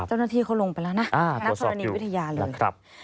เจ้าหน้าที่เขาลงไปแล้วนะถ้านักฐานีวิทยาเลย